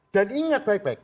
dan ingat baik baik